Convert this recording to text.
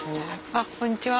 あっこんにちは。